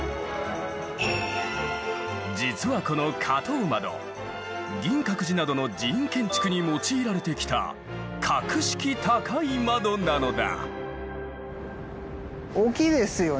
実はこの花頭窓銀閣寺などの寺院建築に用いられてきた格式高い窓なのだ。